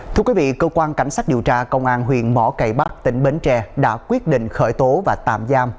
thưa quý vị cơ quan cảnh sát điều tra công an huyện mỏ cải bắc tỉnh bến tre đã quyết định khởi tố và tạm giam